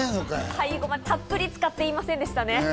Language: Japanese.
最後たっぷり使って言いませんでしたね。